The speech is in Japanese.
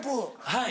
はい。